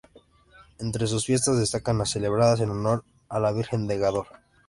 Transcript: Entre sus fiestas destacan las celebradas en honor de la Virgen de Gádor.